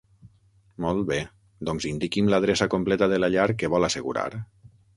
Molt bé, doncs indiqui'm l'adreça completa de la llar que vol assegurar.